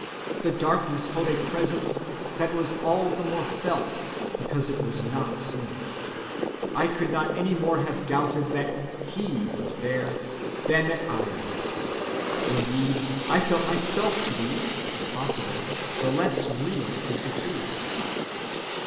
The darkness held a presence that was all the more felt because it was not seen. I could not any more have doubted that He was there than that I was. Indeed, I felt myself to be, if possible, the less real of the two.